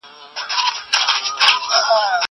زه کولای سم پاکوالي وساتم!